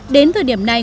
đến thời điểm này